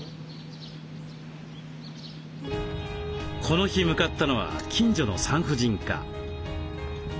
この日向かったのは近所の産婦人科。